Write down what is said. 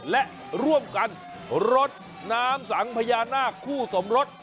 และร่วมกันรดน้ำสังพญานาคคู่สมรส